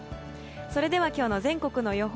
それでは今日の全国の予報。